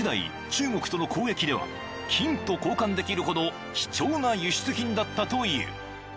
中国との交易では金と交換できるほど貴重な輸出品だったという］